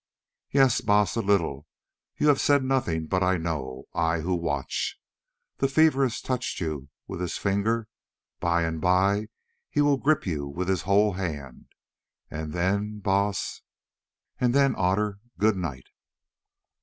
"Yes, Baas, a little. You have said nothing, but I know, I who watch. The fever has touched you with his finger, by and by he will grip you with his whole hand, and then, Baas——" "And then, Otter, good night."